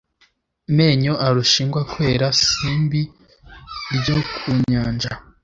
menyo arusha ingwa kwera, simbi ryo ku nyanja